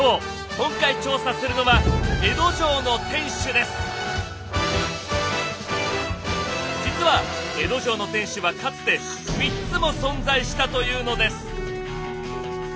今回調査するのは実は江戸城の天守はかつて３つも存在したというのです！